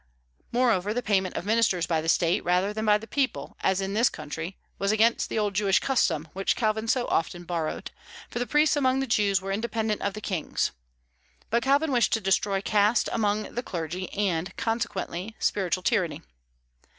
Moreover, the payment of ministers by the State rather than by the people, as in this country, was against the old Jewish custom, which Calvin so often borrowed, for the priests among the Jews were independent of the kings. But Calvin wished to destroy caste among the clergy, and consequently spiritual tyranny.